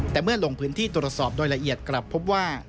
แต่เมื่อลงพื้นที่ตรวจสอบโดยละเอียดกลับพบว่า